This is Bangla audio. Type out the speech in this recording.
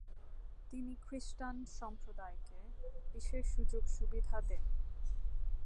তিনি খ্রিস্টান সম্প্রদায়কে বিশেষ সুযোগ সুবিধা দেন।